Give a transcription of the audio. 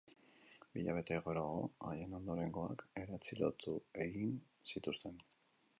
Bi hilabete geroago, haien ondorengoak ere atxilotu egin zituzten.